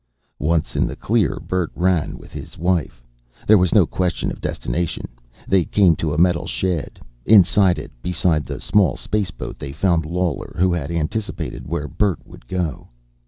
Once in the clear, Bert ran with his wife. There was no question of destination. They came to a metal shed. Inside it, beside the small spaceboat, they found Lawler who had anticipated where Bert would go.